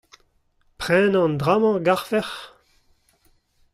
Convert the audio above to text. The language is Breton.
Prenañ an dra-mañ a garfec'h ?